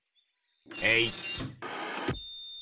えい！